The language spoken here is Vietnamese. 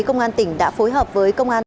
công an tỉnh đã phối hợp với công an